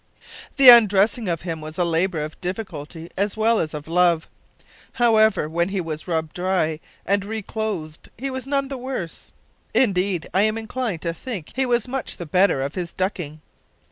"The undressing of him was a labour of difficulty as well as of love. However, when he was rubbed dry, and re clothed, he was none the worse. Indeed, I am inclined to think he was much the better of his ducking.